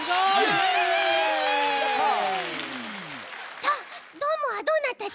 さあどーもはどうなったち？